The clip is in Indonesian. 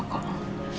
tidak ada apa apa